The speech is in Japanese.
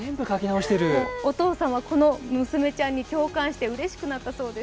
お父さんはこの娘ちゃんに共感してうれしくなったそうです。